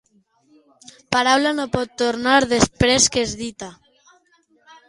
Paraula no pot tornar, després que és dita.